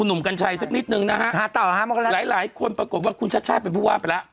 หลายหลายคนปรากฎว่าคุณชัดใช้ะไปพูดว่าไปแล้ว